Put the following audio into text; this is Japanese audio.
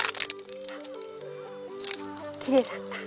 きれいだった。